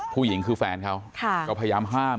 ผู้หญิงคือแฟนเขาก็พยายามห้าม